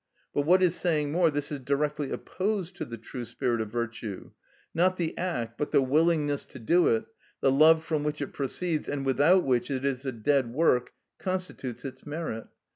But, what is saying more, this is directly opposed to the true spirit of virtue; not the act, but the willingness to do it, the love from which it proceeds, and without which it is a dead work, constitutes its merit.